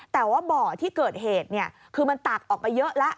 แต่ว่าบ่อที่เกิดเหตุคือมันตักออกไปเยอะแล้ว